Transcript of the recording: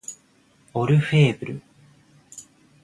オルフェーヴル